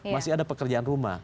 masih ada pekerjaan rumah